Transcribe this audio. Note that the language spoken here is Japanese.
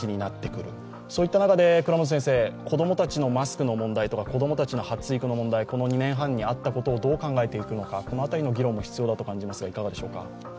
そういった中で、子供たちのマスクの問題、発育の問題、この２年半にあったことをどう考えていくのかこの辺りの議論も必要だと思いますが、いかがでしょうか。